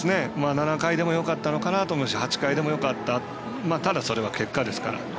７回でもよかったのかなと思うし８回でもよかったただ、それは結果ですから。